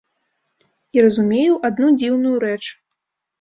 І разумею адну дзіўную рэч.